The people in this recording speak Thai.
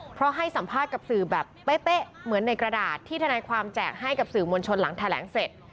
เพราะให้สัมภาษณ์กับสื่อแบบเป๊ะเหมือนในกระดาษที่ทนายความแจกให้กับสื่อมวลชนหลังแถลงเสร็จ